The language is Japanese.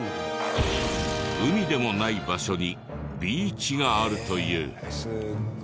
海でもない場所にビーチがあるという。